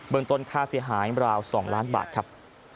ต้นค่าเสียหายราว๒ล้านบาทครับ